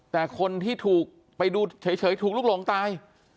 แต่คนที่ถูกไปดูเฉยถูกลุกหลงตาย